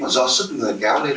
do sức người kéo lên